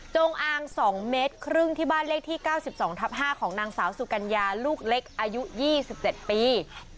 จงอางสองเมตรครึ่งที่บ้านเลขที่เก้าสิบสองทับห้าของนางสาวสุกัญญาลูกเล็กอายุยี่สิบเจ็ดปี